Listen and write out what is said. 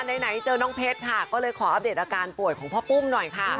ไหนเจอน้องเพชรค่ะก็เลยขออัปเดตอาการป่วยของพ่อปุ้มหน่อยค่ะ